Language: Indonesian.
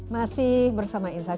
masih bersama insight